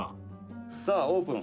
「さあオープン。